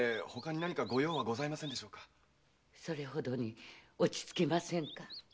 それほどに落ち着きませんか？